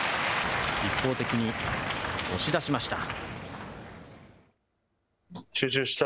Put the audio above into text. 一方的に押し出しました。